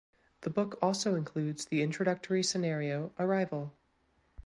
The book also includes the introductory scenario "Arrival".